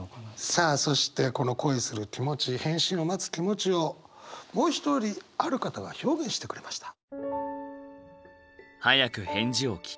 さあそしてこの恋する気持ち返信を待つ気持ちをもう一人ある方が表現してくれました。